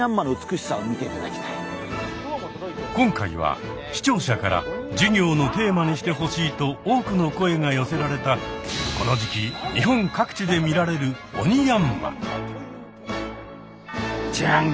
今回は視聴者から授業のテーマにしてほしいと多くの声が寄せられたこの時期日本各地で見られるジャン。